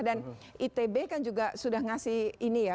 dan itb kan juga sudah ngasih ini ya